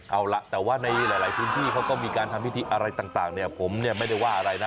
เอาล่ะแต่ว่าในหลายพื้นที่เขาก็มีการทำพิธีอะไรต่างเนี่ยผมเนี่ยไม่ได้ว่าอะไรนะ